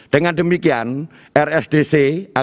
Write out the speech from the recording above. dengan demikian rsdc kemayoran